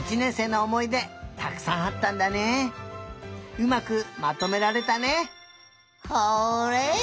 うまくまとめられたね！